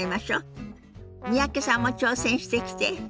三宅さんも挑戦してきて。